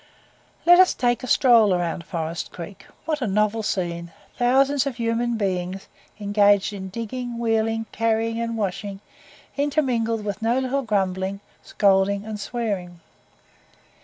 Let us take a stroll round Forest Creek what a novel scene! thousands of human beings engaged in digging, wheeling, carrying, and washing, intermingled with no little grumbling, scolding and swearing.